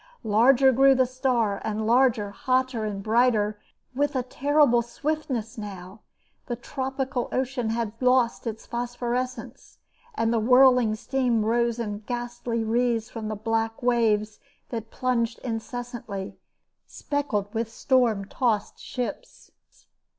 Larger grew the star, and larger, hotter, and brighter with a terrible swiftness now. The tropical ocean had lost its phosphorescence, and the whirling steam rose in ghostly wreaths from the black waves that plunged incessantly, speckled with storm tossed ships.